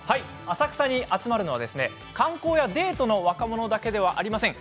浅草に集まるのは観光やデートの若者だけではありません。